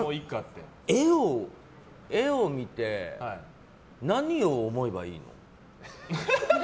絵を見て、何を思えばいいの？